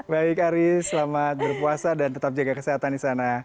baik aris selamat berpuasa dan tetap jaga kesehatan di sana